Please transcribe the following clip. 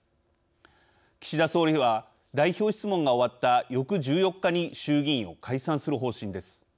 岸田総理は代表質問が終わった翌１４日に衆議院を解散する方針です。